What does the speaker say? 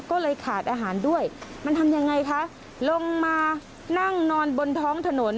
ก็เลยขาดอาหารด้วยมันทำยังไงคะลงมานั่งนอนบนท้องถนน